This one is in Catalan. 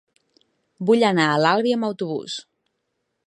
Vull anar a l'Albi amb autobús.